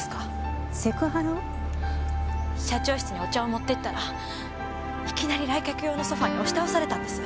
社長室にお茶を持ってったらいきなり来客用のソファに押し倒されたんです。